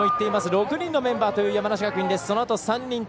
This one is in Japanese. ６人のメンバーという山梨学院。